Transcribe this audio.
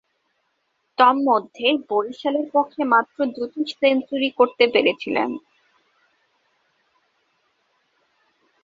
তন্মধ্যে, বরিশালের পক্ষে মাত্র দুইটি সেঞ্চুরি করতে পেরেছিলেন।